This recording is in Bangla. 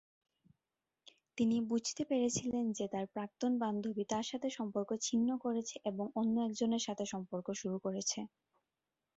তিনি বুঝতে পেরেছিলেন যে তার প্রাক্তন বান্ধবী তার সাথে সম্পর্ক ছিন্ন করেছে এবং অন্য একজনের সাথে সম্পর্ক শুরু করেছে।